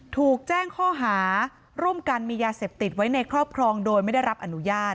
ถูกแจ้งข้อหาร่วมกันมียาเสพติดไว้ในครอบครองโดยไม่ได้รับอนุญาต